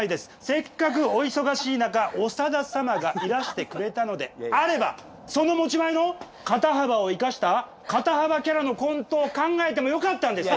せっかくお忙しい中長田様がいらしてくれたのであればその持ち前の肩幅を生かした肩幅キャラのコントを考えてもよかったんです！